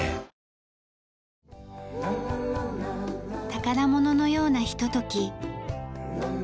宝物のようなひととき。